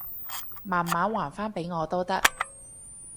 慢慢還返畀我都得